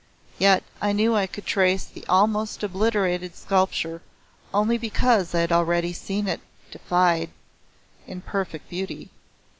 Yet I knew I could trace the almost obliterated sculpture only because I had already seen it defined in perfect beauty.